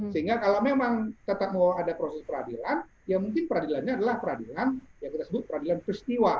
sehingga kalau memang tetap mau ada proses peradilan ya mungkin peradilannya adalah peradilan yang kita sebut peradilan peristiwa